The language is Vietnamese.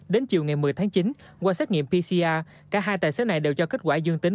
đến chiều ngày một mươi tháng chín qua xét nghiệm pcr cả hai tài xế này đều cho kết quả dương tính